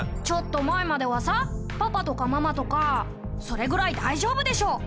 ちょっと前まではさパパとかママとか「それぐらい大丈夫でしょ！